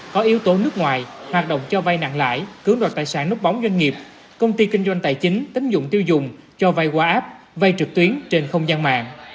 có yếu tố nước ngoài hoạt động cho vay nặng lãi cưỡng đoạt tài sản nút bóng doanh nghiệp công ty kinh doanh tài chính tính dụng tiêu dùng cho vay qua app vay trực tuyến trên không gian mạng